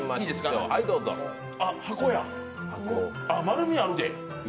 あ、箱や、丸みあるで。